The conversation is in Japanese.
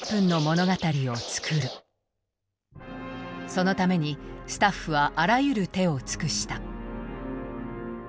そのためにスタッフはあらゆる手を尽くした。